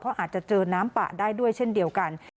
ก็อาจจะเจอน้ำป่าได้ด้วยเช่นเดียวกัน